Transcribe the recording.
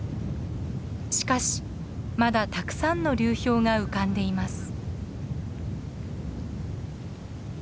しかしまだたくさんの流氷が浮かんでいます。